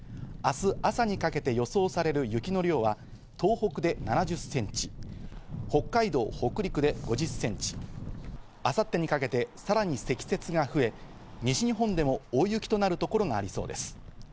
明日朝にかけて予想される雪の量は東北で７０ｃｍ、北海道・北陸で５０ｃｍ、明後日にかけてさらに積雪が増え、西日本でも大雪となる所がありそうです。